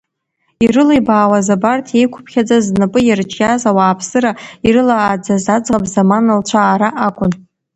Ирылибаауаз абарҭ еиқәыԥхьаӡаз знапы иарҿиаз ауааԥсыра ирылааӡаз аӡӷаб замана лцәаара акәын.